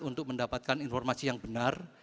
untuk mendapatkan informasi yang benar